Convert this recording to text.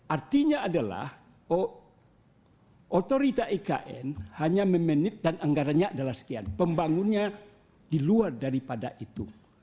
artinya adalah otorita ikn hanya memanage dan anggarannya adalah sekian pembangunnya di luar daripada itu